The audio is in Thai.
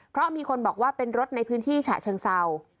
เพราะมีคนบอกว่าเป็นรถในพื้นที่ฉะเชิงเศร้า